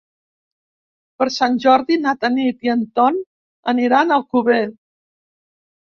Per Sant Jordi na Tanit i en Ton aniran a Alcover.